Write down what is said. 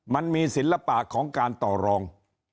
มันมีศิลปะของการต่อรอง